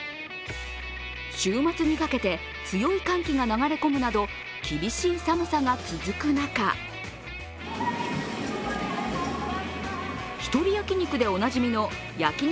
週末にかけて強い寒気が流れ込むなど、厳しい寒さが続く中、１人焼き肉でおなじみの焼肉